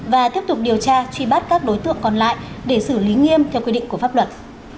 và tiếp tục điều tra truy bắt các đối tượng còn lại để xử lý nghiêm theo quy định của pháp luật